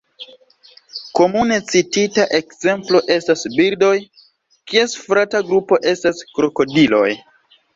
Komune citita ekzemplo estas birdoj, kies frata grupo estas krokodiloj.